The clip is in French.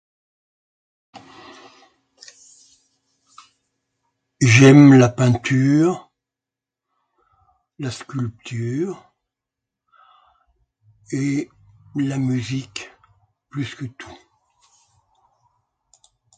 J'aime la peinture, la sculpture, et la musique plus que tout.